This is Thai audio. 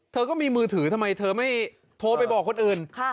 เธอก็มีมือถือทำไมเธอไม่โทรไปบอกคนอื่น